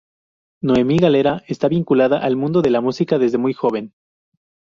Noemí Galera está vinculada al mundo de la música desde joven.